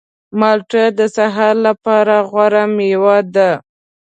مالټه د سهار لپاره غوره مېوه ده.